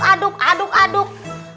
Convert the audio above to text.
aduk aduk aduk